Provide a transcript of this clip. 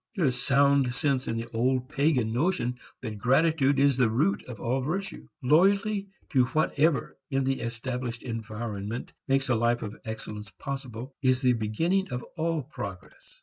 There is sound sense in the old pagan notion that gratitude is the root of all virtue. Loyalty to whatever in the established environment makes a life of excellence possible is the beginning of all progress.